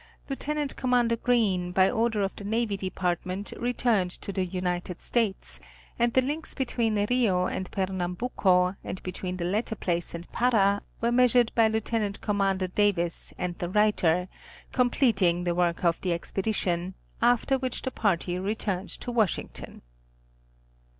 Lieut. Com. Green by order of the Navy Depart ment returned to the United States, and the links between Rio and Pernambuco and between the latter place and Para, were measured by Lieut. Com. Davis and the writer, completing the work of the expedition, after which the party returned to Washington.